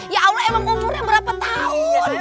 ya allah emang umurnya berapa tahun